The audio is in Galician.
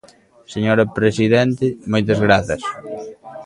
Señora presidente, moitas grazas.